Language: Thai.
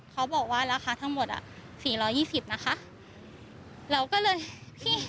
เขาบอกว่าราคาทั้งหมดอ่ะ๔๒๐นะคะแล้วก็เลยพี่